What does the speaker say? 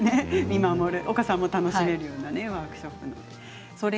お子さんも楽しめるようなワークショップなんですね。